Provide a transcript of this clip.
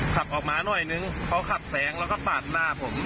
ขับออกมาหน่อยนึงเขาขับแสงแล้วก็ปาดหน้าผม